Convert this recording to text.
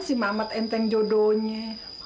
si mamat enteng jodohnya